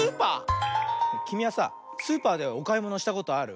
きみはさスーパーでおかいものしたことある？